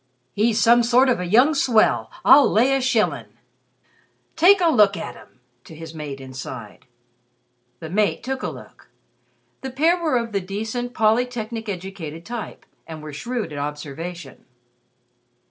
"He's some sort of a young swell, I'll lay a shillin'! Take a look at him," to his mate inside. The mate took a look. The pair were of the decent, polytechnic educated type, and were shrewd at observation.